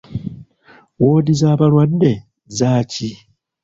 Woodi z'abalwadde zaaki?